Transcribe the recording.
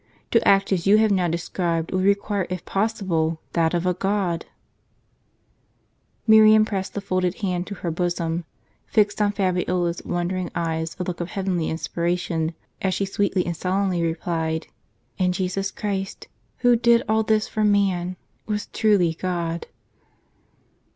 To act as you have now described would require, if possible, that of a God !" Miriam pressed the folded hand to her bosom, fixed on Fabiola's wondering eyes a look of heavenly inspiration, as she sweetly and solemnly replied :" And Jesus Christ, who DID ALL THIS FOR MAN, WAS TRULY GOD."